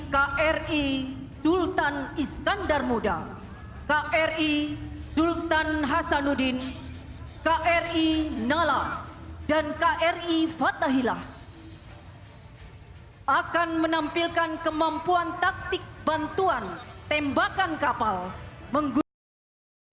kri fatahillah akan menampilkan kemampuan taktik bantuan tembakan kapal menggunakan